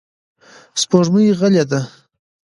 سپوږمۍ غلې ده.